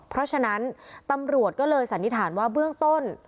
เพราะฉะนั้นตำรวจก็เลยสันนิษฐานว่าเบื้องต้น